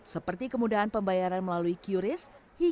seperti kemudahan pembayaran melalui qris